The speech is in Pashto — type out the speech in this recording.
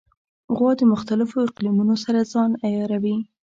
غوا د مختلفو اقلیمونو سره ځان عیاروي.